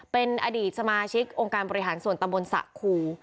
เป็นอดีตสมาชิกองค์การบริหารส่วนตำบลสะครู